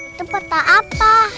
itu peta apa